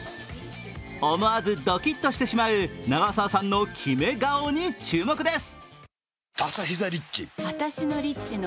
思わずドキッとしてしまう長澤さんのキメ顔に注目です。